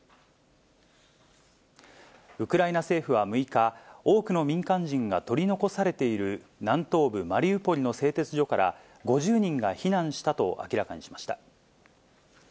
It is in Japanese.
ウクライナ政府は６日、多くの民間人が取り残されている、南東部マリウポリの製鉄所から、５０人が避難したと明らかにしました。